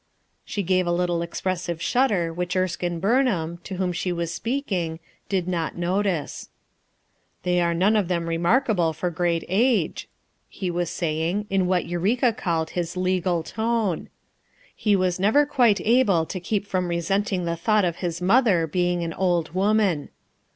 She gave a little expressive shudder which Erskine Burnham, to whom she was speaking, did not notice. FOUR MOTHERS AT CHAUTAUQUA Gl "They are none of them remarkable for great age," he was saying in what Eureka called his legal tone ; he was never quite able to keep from resenting the thought of his mother being an old woman.